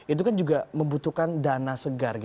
itu kan juga membutuhkan dana segar